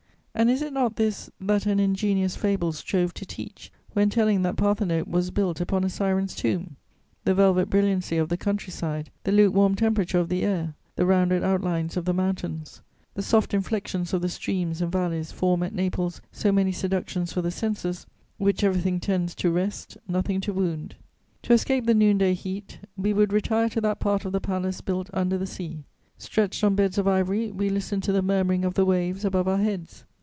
And is it not this that an ingenious fable strove to teach, when telling that Parthenope was built upon a syren's tomb? The velvet brilliancy of the country side, the lukewarm temperature of the air, the rounded outlines of the mountains, the soft inflexions of the streams and valleys form at Naples so many seductions for the senses, which everything tends to rest, nothing to wound.... "To escape the noonday heat, we would retire to that part of the palace built under the sea. Stretched on beds of ivory, we listened to the murmuring of the waves above our heads.